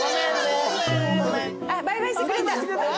バイバイしてくれた。